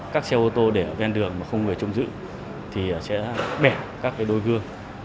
các xe ô tô để ở bên đường mà không người trộm giữ thì sẽ bẻ các đôi gương